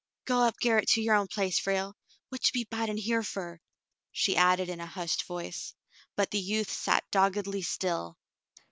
"Go up garret to your own place, Frale. What ye bid'n here f er ?" she added, in a hushed voice, but the youth sat doggedly still.